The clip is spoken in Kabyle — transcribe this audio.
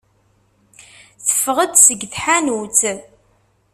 Teffeɣ-d seg tḥanut.